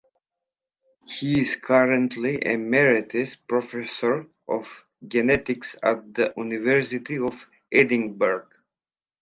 He is currently Emeritus Professor of Genetics at the University of Edinburgh.